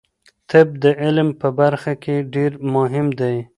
طب د علم په برخه کې ډیر مهم دی.